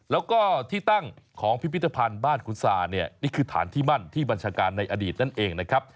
แล้วก็ที่ตั้งของพิพิธภัณฑ์บ้านคุณสาเนี่ยนี่คือฐานที่มั่นที่บัญชาการในอดีตนั่นเองนะครับ